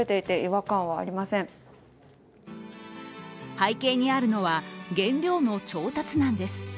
背景にあるのは原料の調達難です。